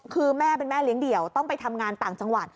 คือแม่เป็นแม่เลี้ยงเดี่ยวต้องไปทำงานต่างจังหวัด